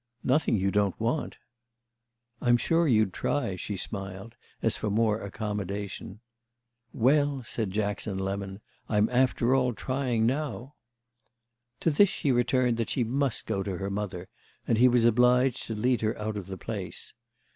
"Nothing you don't want." "I'm sure you'd try," she smiled as for more accommodation. "Well," said Jackson Lemon, "I'm after all trying now." To this she returned that she must go to her mother, and he was obliged to lead her out of the place.